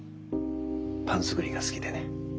パン作りが好きでね。